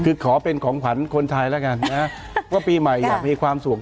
คือขอเป็นของขวัญคนไทยแล้วกันนะว่าปีใหม่อยากมีความสุข